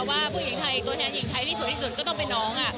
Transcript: ว่าตัวแห่งหินไทยที่สวยสู้สุดก็ต้องเป็นน้อง